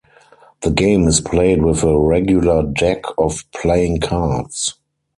The game is played with a regular deck of playing cards.